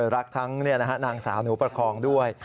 รักทั้งนางสาวหนูประคองด้วย